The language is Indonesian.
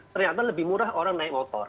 ternyata lebih murah orang naik motor